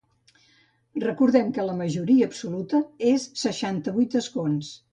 Recordem que la majoria absoluta és seixanta-vuit escons.